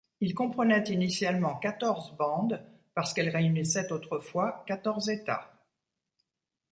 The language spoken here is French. Il comprenait initialement quatorze bandes parce qu'elle réunissait autrefois quatorze États.